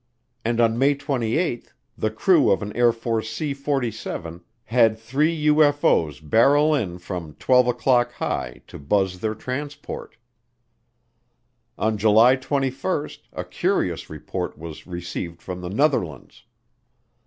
And on May 28 the crew of an Air Force C 47 had three UFO's barrel in from "twelve o'clock high" to buzz their transport. On July 21 a curious report was received from the Netherlands.